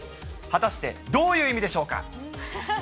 果たしてどういう意味でしょうか。